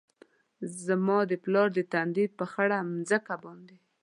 زما د پلار د تندي ، پر خړه مځکه باندي